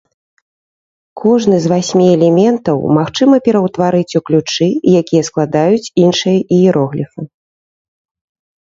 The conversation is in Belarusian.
Кожны з васьмі элементаў магчыма пераўтварыць у ключы, якія складаюць іншыя іерогліфы.